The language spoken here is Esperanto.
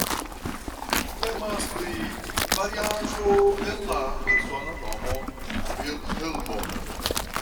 Temas pri variaĵo de la persona nomo Vilhelmo.